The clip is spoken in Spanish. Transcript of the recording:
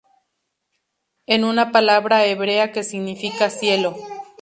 En una palabra hebrea que significa "Cielo".